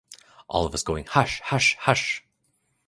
All of us going hush, hush, hush!